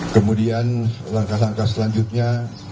kemudian langkah langkah selanjutnya